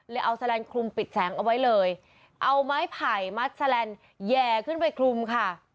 เอาแลนดคลุมปิดแสงเอาไว้เลยเอาไม้ไผ่มัดแสลนด์แห่ขึ้นไปคลุมค่ะ